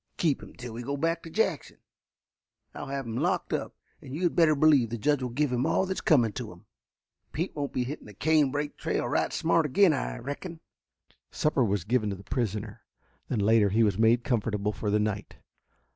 "Keep him till we go back to Jackson. I'll have him locked up, and you had better believe the judge will give him all that's coming to him. Pete won't be hitting the canebrake trail right smart again, I reckon." Supper was given to the prisoner, then later he was made comfortable for the night.